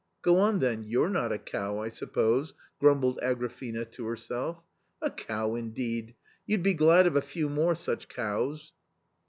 " Go on, then, you're not a cow, I suppose " grumbled Agrafena to herself. " A cow, indeed ! you'd be glad of a few more such cows